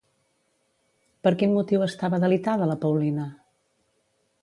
Per quin motiu estava delitada la Paulina?